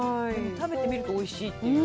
食べてみるとおいしいという。